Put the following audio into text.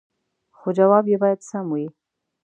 خو جواب يې باید سم وي